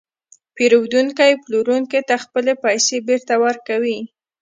پېرودونکی پلورونکي ته خپلې پیسې بېرته ورکوي